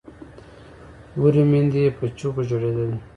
بورې میندې یې په چیغو ژړېدلې